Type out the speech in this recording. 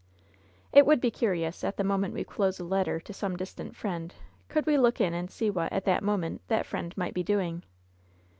It would be curious, at the moment we close a letter to some distant friend, could we look in and see what, at that moment, the friend might be doing.